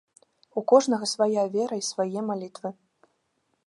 У кожнага свая вера і свае малітвы.